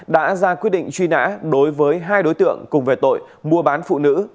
đã ra quyết định truy nã đối với hai đối tượng cùng về tội mua bán phụ nữ